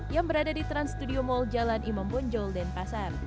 yang berada di trans studio mall jalan imam bonjol dan pasar